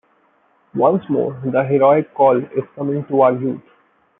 Once more the heroic call is coming to our youth.